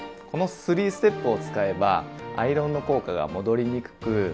この３ステップを使えばアイロンの効果が戻りにくく